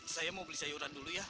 saya mau beli sayuran dulu ya